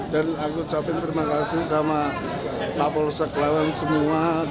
dan aku ucapkan terima kasih sama pak polsek lawian semua